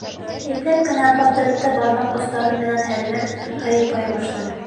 Ипләп кенә портретты бармаҡ остарым менән һәрмәп, һыйпай башланым.